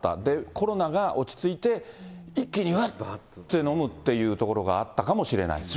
コロナが落ち着いて、一気に、わって飲むっていうところがあったかもしれないですね。